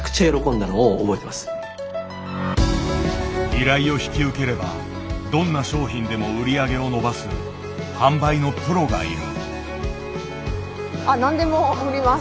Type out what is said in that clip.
依頼を引き受ければどんな商品でも売り上げを伸ばす販売のプロがいる。